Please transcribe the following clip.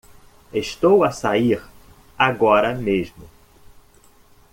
Estou a sair agora mesmo.